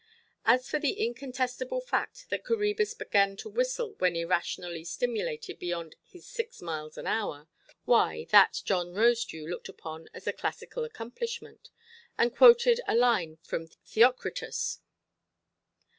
As for the incontestable fact that Coræbus began to whistle when irrationally stimulated beyond his six miles an hour, why, that John Rosedew looked upon as a classical accomplishment, and quoted a line from Theocritus.